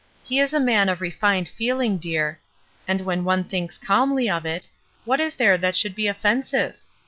He is a man of refined feeling, dear. And when one thinks calmly of it, what is there that should be offensive?